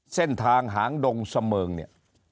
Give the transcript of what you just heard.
เส้นทางหางดงเสมิงเนี่ย